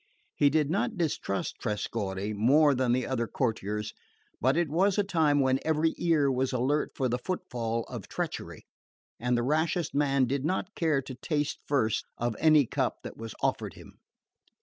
He did not distrust Trescorre more than the other courtiers; but it was a time when every ear was alert for the foot fall of treachery, and the rashest man did not care to taste first of any cup that was offered him.